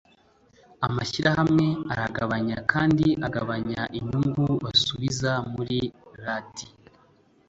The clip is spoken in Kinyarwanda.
Amashyirahamwe aragabanya kandi agabanya inyungu basubiza muri RD